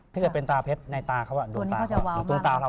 ถ้าเป็นตาเพชรในตาเขาดูตาเขาจะวาวมาก